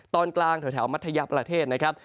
ตอนกลางแถวมัธยประเทศนะครับ